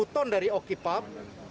satu ton dari okipab